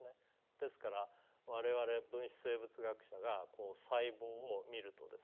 ですから我々分子生物学者が細胞を見るとですね